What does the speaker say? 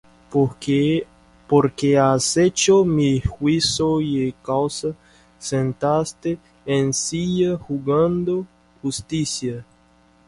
Porque has hecho mi juicio y mi causa: Sentástete en silla juzgando justicia.